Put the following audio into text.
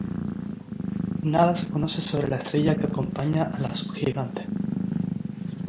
Nada se conoce sobre la estrella que acompaña a la subgigante.